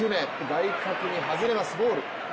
外角に外れます、ボール。